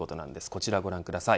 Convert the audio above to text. こちらご覧ください。